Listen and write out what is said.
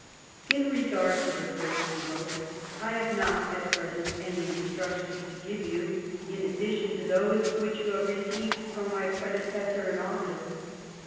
In regard to the first [he wrote], I have not at present any instruc tions to give joa in addition to those which yon have received from my predecessor in office.